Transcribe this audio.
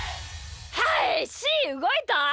はいしーうごいた。